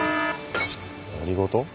何事？